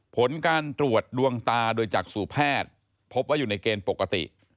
ผลการตรวจดวงตาโดยจากสู่แพทย์พบว่าอยู่ในเกณฑ์ปกติ